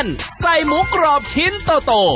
ต้องแน่นใส่หมูกรอบชิ้นโต